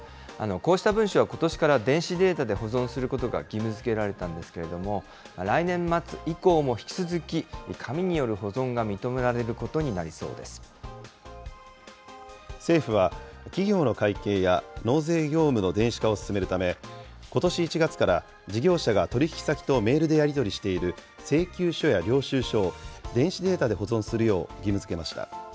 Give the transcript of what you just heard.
こうした文書はことしから電子データで保存することが義務づけられたんですけれども、来年末以降も引き続き、紙による保存が認め政府は、企業の会計や納税業務の電子化を進めるため、ことし１月から、事業者が取り引き先とメールでやり取りしている請求書や領収書を電子データで保存するよう義務づけました。